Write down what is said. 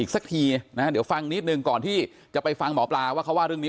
สักทีนะฮะเดี๋ยวฟังนิดหนึ่งก่อนที่จะไปฟังหมอปลาว่าเขาว่าเรื่องนี้